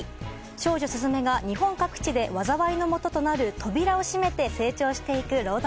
少女・鈴芽が日本各地で災いのもととなる扉を閉めて成長していくロード